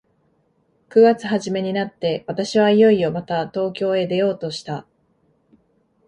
九月始めになって、私はいよいよまた東京へ出ようとした。